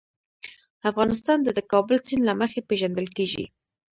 افغانستان د د کابل سیند له مخې پېژندل کېږي.